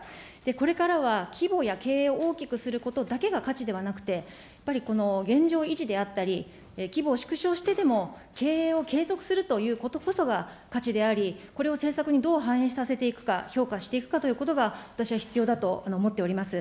これからは規模や経営を大きくすることだけが価値ではなくて、やっぱりこの現状維持であったり、規模を縮小してでも経営を継続するということこそが価値であり、これを政策にどう反映させていくか、評価していくかということが、私は必要だと思っております。